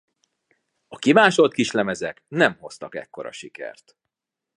A kimásolt kislemezek nem hoztak ekkora sikert.